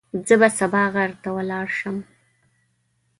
زه به سبا غر ته ولاړ شم.